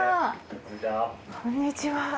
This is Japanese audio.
こんにちは。